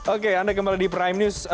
oke anda kembali di prime news